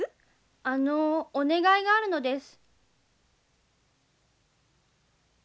あのお願いがあるのです。